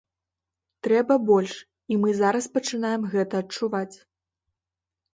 Трэба больш, і мы зараз пачынаем гэта адчуваць.